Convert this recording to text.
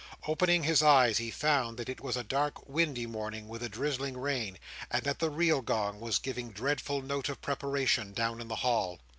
Opening his eyes, he found that it was a dark, windy morning, with a drizzling rain: and that the real gong was giving dreadful note of preparation, down in the hall.